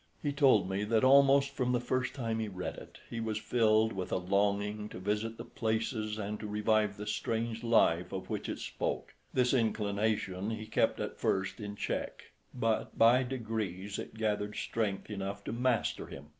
He told me that almost from the first time he read it he was filled with a longing to visit the places and to revive the strange life of which it spoke. This inclination he kept at first in check, but by degrees it gathered strength enough to master him.